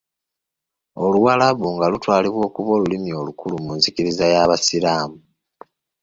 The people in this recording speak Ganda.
Oluwarabu nga lutwalibwa okuba olulimi olukulu mu nzikiriza y'abasiraamu.